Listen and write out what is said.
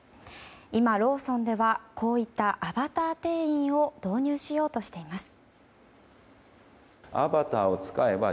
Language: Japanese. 今、ローソンではこういったアバター店員を導入しようとしています。